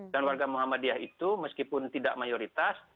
dan warga muhammadiyah itu meskipun tidak mayoritas